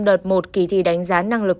đợt một kỳ thi đánh giá năng lực